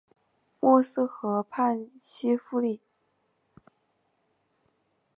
默斯河畔西夫里。